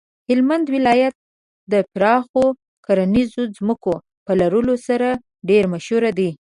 هلمند ولایت د پراخو کرنیزو ځمکو په لرلو سره ډیر مشهور دی.